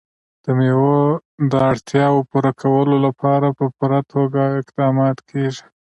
د مېوو د اړتیاوو پوره کولو لپاره په پوره توګه اقدامات کېږي.